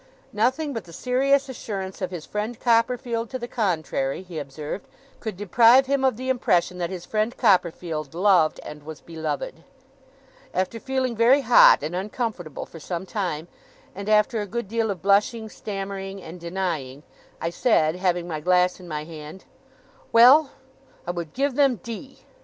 Nothing but the serious assurance of his friend Copperfield to the contrary, he observed, could deprive him of the impression that his friend Copperfield loved and was beloved. After feeling very hot and uncomfortable for some time, and after a good deal of blushing, stammering, and denying, I said, having my glass in my hand, 'Well! I would give them D.!